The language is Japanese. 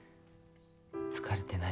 「疲れてない？」